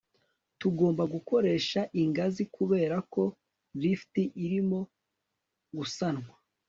tugomba gukoresha ingazi, kubera ko lift irimo gusanwa